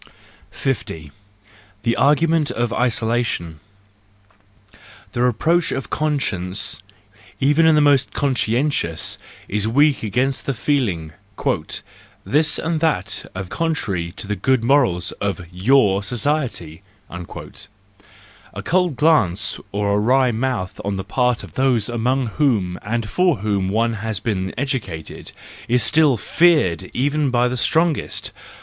50. The A rgument of Isolation, .—The reproach of conscience, even in the most conscientious, is weak against the feeling: " This and that are contrary to the good morals of your society." A cold glance or a wry mouth, on the part of those among whom and for whom one has been educated, is still feared even by the strongest.